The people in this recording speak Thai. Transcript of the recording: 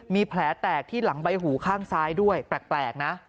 มีแผลแตกที่หลังใบหูข้างซ้ายด้วยแปลกนะ